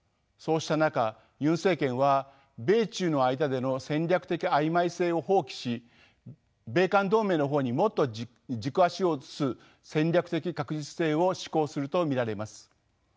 そうした中ユン政権は米中の間での戦略的曖昧性を放棄し米韓同盟の方にもっと軸足を移す戦略的確実性を指向すると見られます。